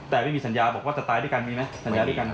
แต่ไม่มีสัญญาว่าจะตายด้วยกันมีไหม